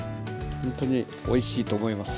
ほんとにおいしいと思います。